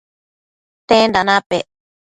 tenda napec?